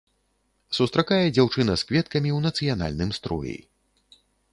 Сустракае дзяўчына з кветкамі ў нацыянальным строі.